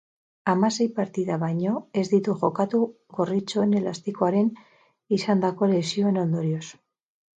Hamasei partida baino ez ditu jokatu gorritxoen elastikoaren izandako lesioen ondorioz.